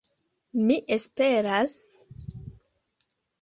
Mi esperas...